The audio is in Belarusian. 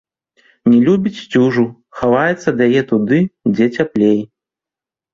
Не любіць сцюжу, хаваецца ад яе туды, дзе цяплей.